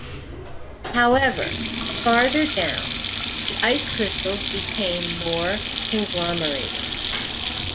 However, farther down, the ice crystals became more conglomerated.